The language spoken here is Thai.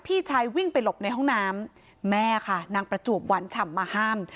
พี่ชายวิ่งไปหลบในห้องน้ำแม่ค่ะนางประจวบหวานฉ่ำมาห้าม